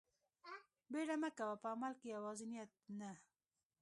بيړه مه کوه په عمل کښې يوازې نيت نه.